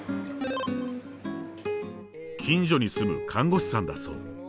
近所に住む看護師さんだそう。